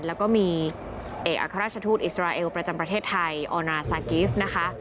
แล้วก็มีเอกอัครราชทูตอิสราเอลประจำประเทศไทยออนาซากิฟต์นะคะ